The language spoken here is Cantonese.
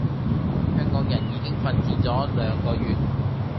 香港人已經奮戰咗兩個月